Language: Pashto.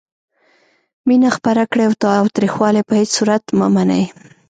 مینه خپره کړئ او تاوتریخوالی په هیڅ صورت مه منئ.